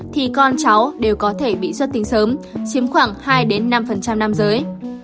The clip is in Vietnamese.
thì con cháu đều có thể bị xuất tinh sớm chiếm khoảng hai năm nam giới